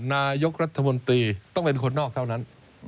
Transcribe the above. นายกรัฐมนตรีต้องเป็นคนนอกเท่านั้น